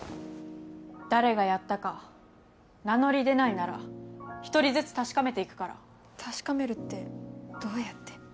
誰がやったか名乗り出ないなら１人ずつ確・確かめるってどうやって？